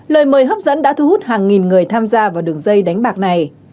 lời mời hấp dẫn đã thu hút hàng nghìn người tham gia vào đường dây đánh bạc này